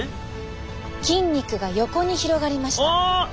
筋肉が横に広がりました。